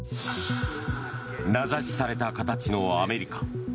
名指しされた形のアメリカ。